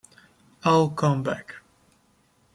I'll come back.